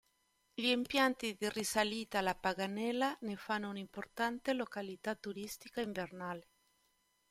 Gli impianti di risalita alla Paganella ne fanno un'importante località turistica invernale.